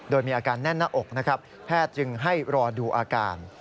โดยมีอาการแน่นหน้าอกนะครับแพทย์จึงให้รอดูอาการ